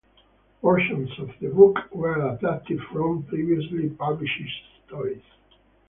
Portions of the book were adapted from previously published stories.